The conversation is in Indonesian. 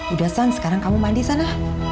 udah sang sekarang kamu mandi sana